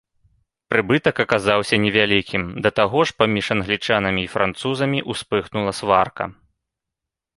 Прыбытак аказаўся не вялікім, да таго ж паміж англічанамі і французамі ўспыхнула сварка.